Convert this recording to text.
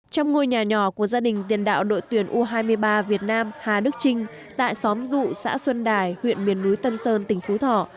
trong ngôi nhà nhỏ của gia đình tiền đạo đội tuyển u hai mươi ba việt nam hà đức trinh tại xóm dụ xã xuân đài huyện miền núi tân sơn tỉnh phú thọ